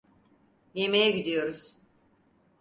Yemeğe gidiyoruz.